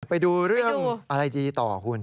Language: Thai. ไปดูเรื่องอะไรดีต่อคุณ